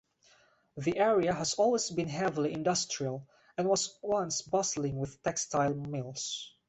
The area has always been heavily industrial and was once bustling with textile mills.